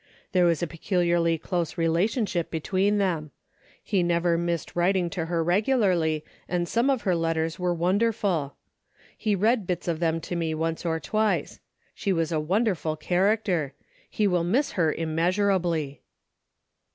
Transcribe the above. There was a peculiarly close relationship be tween them. He never missed writing to her regularly and some of her letters were won derful. He read bits of them to me once or twice. She was a wonderful character. He will miss her immeasurably."